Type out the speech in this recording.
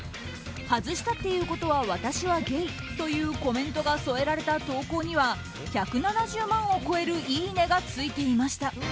「外したっていうことは私はゲイ」というコメントが添えられた投稿には１７０万を超えるいいねがついていました。